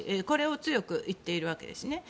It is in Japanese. これを強く言っているわけです。